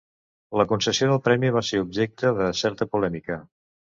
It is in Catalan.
La concessió del premi va ser objecte de certa polèmica.